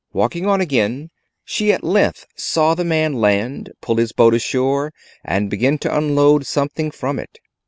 Walking on again, she at length saw the man land, pull his boat ashore and begin to unload something from it.